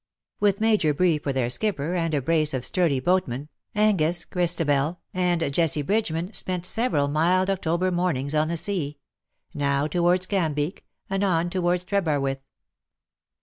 With Major Bree for their skipper, and a brace of sturdy boatmen, Angus, Christabel, and Jessie 134 ^^ THE SILVER ANSWER RANG^ Bridgeman spent several mild October mornings on the sea — now towards Cambeak, anon towards Trebarwith.